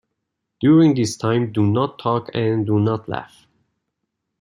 During this time do not talk and do not laugh.